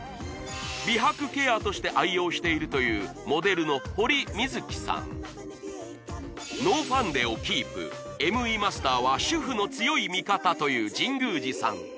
美白ケアとして愛用しているというモデルの堀みづきさんノーファンデをキープＭＥマスターは主婦の強い味方という神宮寺さん